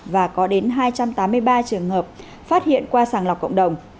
và có đến hai trăm tám mươi ba trường hợp phát hiện qua sàng lọc cộng đồng